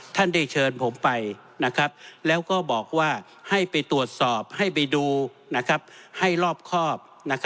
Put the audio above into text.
ท่านได้เชิญผมไปแล้วก็บอกว่าให้ไปตรวจสอบให้ไปดูให้รอบครอบ